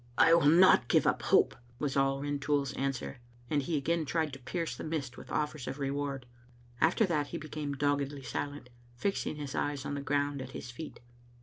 "I will not give up hope," was all Rintoul's answer, and he again tried to pierce the mist with offers of re« ward. After that he became doggedly silent, fixing his eyes on the ground at his feet.